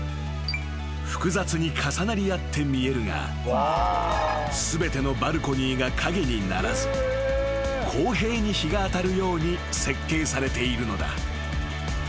［複雑に重なり合って見えるが全てのバルコニーが影にならず公平に日が当たるように設計されているのだ］